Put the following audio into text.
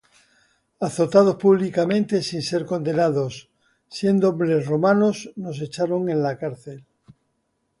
Azotados públicamente sin ser condenados, siendo hombres Romanos, nos echaron en la cárcel